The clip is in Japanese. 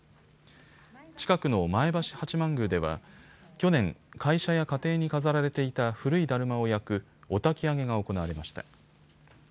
近くの前橋八幡宮では去年、会社や家庭に飾られていた古いだるまを焼くおたき上げが行われました。